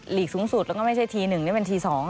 ลีกสูงสุดแล้วก็ไม่ใช่ที๑นี่เป็นที๒